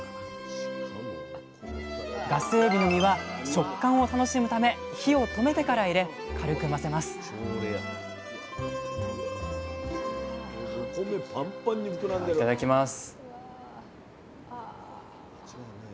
ガスエビの身は食感を楽しむため火を止めてから入れ軽く混ぜますではいただきます。